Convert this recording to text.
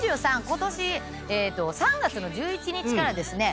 ことし３月の１１日からですね